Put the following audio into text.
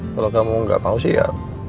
kalau kamu gak mau sih ya